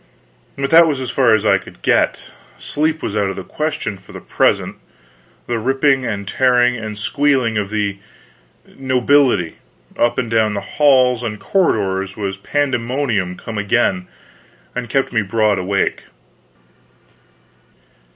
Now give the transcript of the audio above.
but that was as far as I could get sleep was out of the question for the present. The ripping and tearing and squealing of the nobility up and down the halls and corridors was pandemonium come again, and kept me broad awake.